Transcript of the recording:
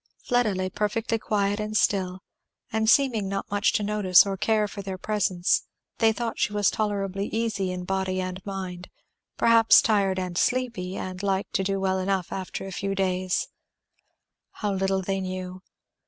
Fleda lay perfectly quiet and still, seeming not much to notice or care for their presence; they thought she was tolerably easy in body and mind, perhaps tired and sleepy, and like to do well enough after a few days. How little they knew!